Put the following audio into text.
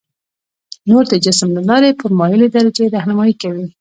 نور د جسم له لارې په مایلې درجې رهنمایي کوي.